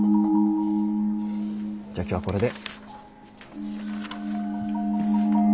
じゃ今日はこれで。